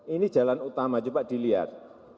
ini jalan utama coba dilihat